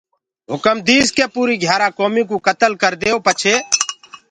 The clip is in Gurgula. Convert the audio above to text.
هُڪم ديس ڪي پوريٚ گھِيآرآ ڪوميٚ ڪو ڪتلَ ڪرَديئو پڇي